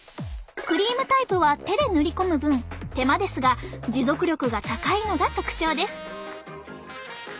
クリームタイプは手で塗り込む分手間ですが持続力が高いのが特徴です。